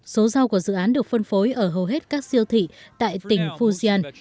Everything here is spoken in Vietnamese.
số rau của dự án được phân phối ở hầu hết các siêu thị tại tỉnh fujian